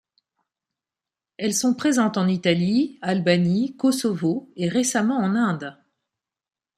Elles sont présentes en Italie, Albanie, Kosovo et récemment en Inde.